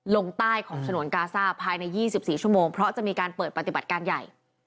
ลงใต้ของฉนวนกาซ่าภายใน๒๔ชั่วโมงเพราะจะมีการเปิดปฏิบัติการใหญ่